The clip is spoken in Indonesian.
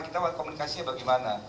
kita komunikasinya bagaimana